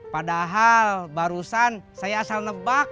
padahal barusan saya asal nebak